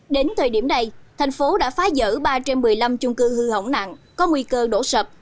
đến thời điểm này thành phố đã phá rỡ ba trên một mươi năm chung cư hư hỏng nặng có nguy cơ đổ sập